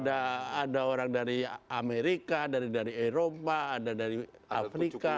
ada orang dari amerika dari eropa ada dari afrika